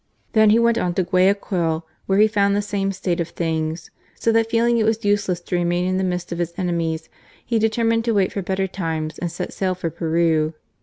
Then he went on to Guayaquil, where he found the same state of things. So that feeling it was useless to remain in the midst of his enemies, he determined to wait for better times and set sail for Peru.